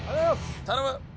頼む！